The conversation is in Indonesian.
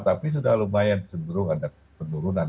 tapi sudah lumayan cenderung ada penurunan